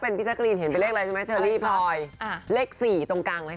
เป็นเพ่งอาณมวลกับปิโตะแร้น้อย